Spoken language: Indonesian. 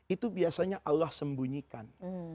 itu biasanya allah sembunyikan